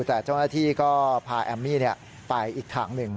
แต่เจ้าหน้าที่ก็พาแอมมี่ไปอีกทางหนึ่ง